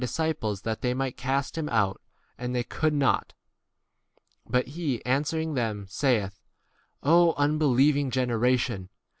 disciples that they might east him 19 out, and they could not. But he answering them saith, O unbeliev ing generation